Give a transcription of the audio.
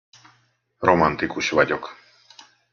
Romantikus vagyok.